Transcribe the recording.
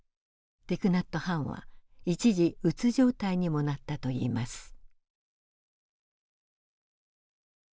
ティク・ナット・ハンは一時うつ状態にもなったといいます。